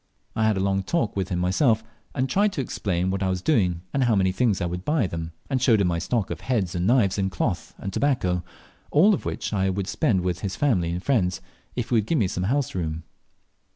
I had a long talk with him myself, and tried to explain what I was doing, and how many things I would buy of them, and showed him my stock of heads, and knives, and cloth, and tobacco, all of which I would spend with his family and friends if he would give me house room.